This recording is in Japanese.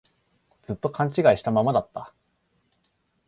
ずっと勘違いしたままだった